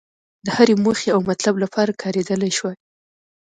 د هرې موخې او مطلب لپاره کارېدلای شوای.